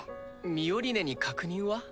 ミオリネに確認は？